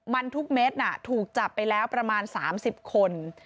มันทุกเม็ดถูกจับไปแล้วประมาณ๓๐คน